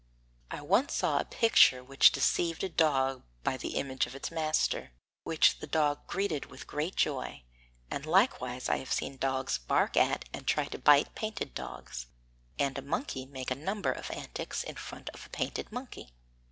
I once saw a picture which deceived a dog by the image of its master, which the dog greeted with great joy; and likewise I have seen dogs bark at and try to bite painted dogs; and a monkey make a number of antics in front of a painted monkey.